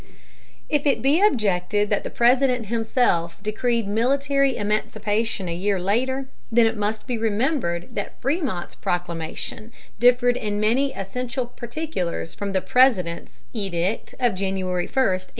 If it be objected that the President himself decreed military emancipation a year later, then it must be remembered that Frémont's proclamation differed in many essential particulars from the President's edict of January 1, 1863.